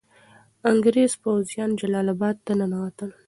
انګریز پوځیان جلال اباد ته ننوتل.